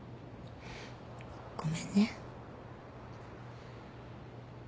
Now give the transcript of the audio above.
ごめんね。